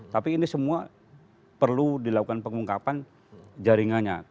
tapi ini semua perlu dilakukan pengungkapan jaringannya